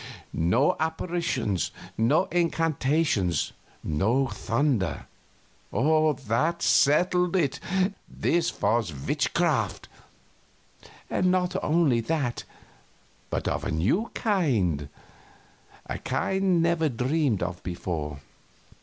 No apparitions, no incantations, no thunder. That settled it. This was witchcraft. And not only that, but of a new kind a kind never dreamed of before.